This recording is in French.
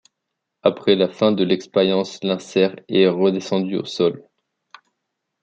Après la fin de l'expérience l'insert est redescendu au sol.